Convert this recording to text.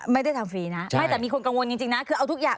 ไม่ได้ทำฟรีนะไม่แต่มีคนกังวลจริงนะคือเอาทุกอย่าง